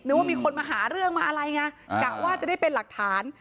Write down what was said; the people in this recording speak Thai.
ว่ามีคนมาหาเรื่องมาอะไรไงกะว่าจะได้เป็นหลักฐาน